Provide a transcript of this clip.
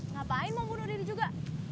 ngapain mau bunuh diri juga